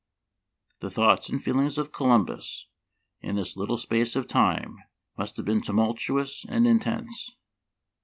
" The thoughts and feelings of Columbus in this little space of time must have been tumultu ous and intense.